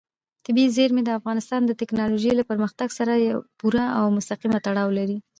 طبیعي زیرمې د افغانستان د تکنالوژۍ له پرمختګ سره پوره او مستقیم تړاو لري.